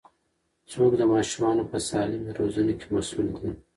څوک د ماشومانو په سالمې روزنې کې مسوول دي؟